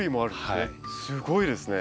すごいですね。